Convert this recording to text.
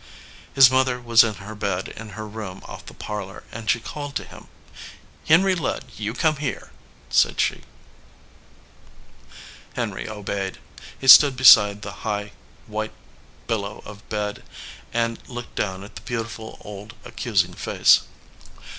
His mother was in her bed in her room off the parlor, and she called him. "Henry Ludd, you come here/ said she. Henry obeyed. He stood beside the high, white billow of bed and looked down at the beautiful, old, accusing face.